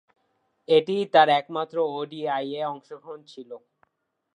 এটিই তার একমাত্র ওডিআইয়ে অংশগ্রহণ ছিল।